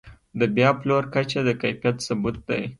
د بیا پلور کچه د کیفیت ثبوت دی.